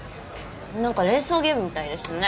なんか連想ゲームみたいですね。